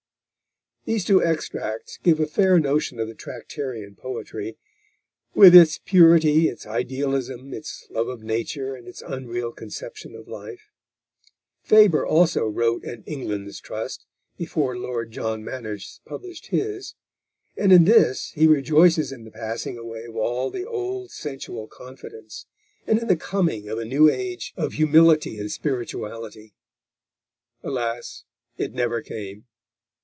These two extracts give a fair notion of the Tractarian poetry, with its purity, its idealism, its love of Nature and its unreal conception of life, Faber also wrote an England's Trust, before Lord John Manners published his; and in this he rejoices in the passing away of all the old sensual confidence, and in the coming of a new age of humility and spirituality. Alas! it never came!